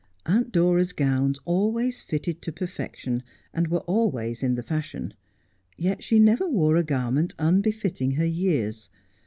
Aunt Dora's gowns always fitted to perfection, and were always in the fashion ; yet she never wore a garment unbe fitting her years.